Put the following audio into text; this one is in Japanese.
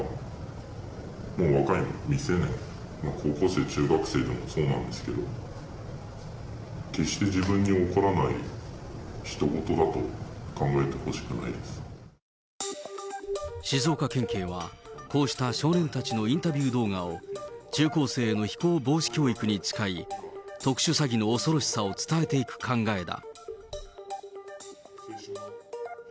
もう若い未成年、高校生、中学生でもそうなんですけど、決して自分に起こらない、静岡県警は、こうした少年たちのインタビュー動画を中高生への非行防止教育に使い、特殊詐欺の恐ろしさを伝えていく考えだ。